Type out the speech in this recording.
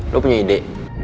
lo punya ide